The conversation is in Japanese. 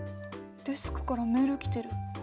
デスクからメール来てる。